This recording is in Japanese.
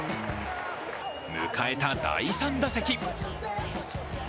迎えた第３打席。